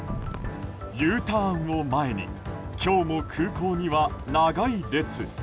Ｕターンを前に今日も空港には長い列。